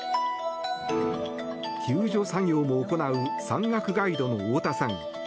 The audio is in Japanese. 救助作業も行う山岳ガイドの太田さん。